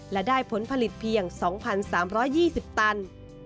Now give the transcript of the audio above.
และได้ผลผลิตเพียง๒๓๒๐ตัน